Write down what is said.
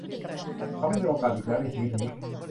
เขาไม่มีโอกาสอีกแล้วในชีวิตนี้